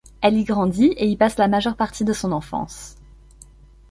Elle y grandit et y passe la majeure partie de son enfance.